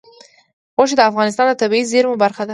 غوښې د افغانستان د طبیعي زیرمو برخه ده.